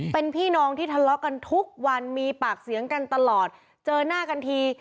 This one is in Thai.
เป็นพี่น้องที่ทะเลาะกันทุกวันมีปากเสียงกันตลอดเจอหน้ากันที